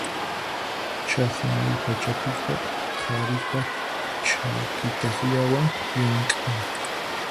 Chaqmay pachapiqa qhariqa chaki takllawan llamk'an.